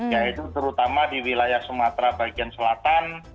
yaitu terutama di wilayah sumatera bagian selatan